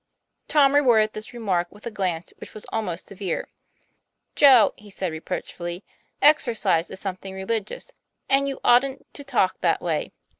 Tom rewarded this remark with a glance which was almost severe. "Joe," he said, reproachfully, "exercise is some thing religious, and you oughtn't to talk that way.